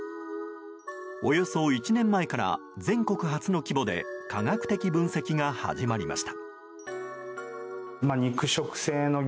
およそ１年前から全国初の規模で科学的分析が始まりました。